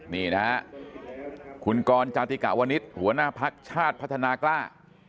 นี่นะครับคุณกรจาธิกาวณิชย์หัวหน้าภักดิ์ชาติพัฒนากล้า